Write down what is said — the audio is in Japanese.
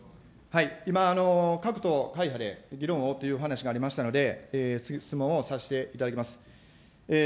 今、各党、会派で議論をという話がありましたので、質問をさせていただきます。